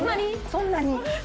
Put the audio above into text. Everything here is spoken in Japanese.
そんなに。